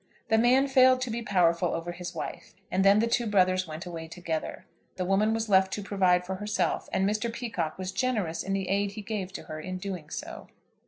The man failed to be powerful over his wife, and then the two brothers went away together. The woman was left to provide for herself, and Mr. Peacocke was generous in the aid he gave to her in doing so.